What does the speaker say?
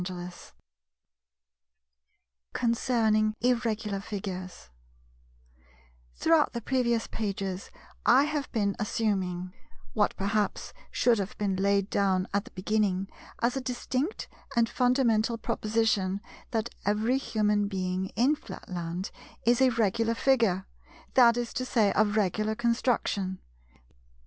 § 7 Concerning Irregular Figures Throughout the previous pages I have been assuming—what perhaps should have been laid down at the beginning as a distinct and fundamental proposition—that every human being in Flatland is a Regular Figure, that is to say of regular construction.